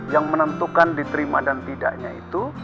yang menentukan diterima dan tidaknya itu